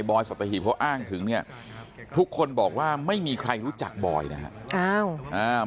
อยสัตหีบเขาอ้างถึงเนี่ยทุกคนบอกว่าไม่มีใครรู้จักบอยนะครับ